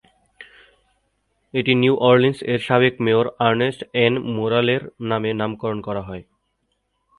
এটি New Orleans এর সাবেক মেয়র আর্নেস্ট এন. মোরালের নামে নামকরণ করা হয়।